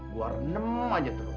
buar nemu aja terus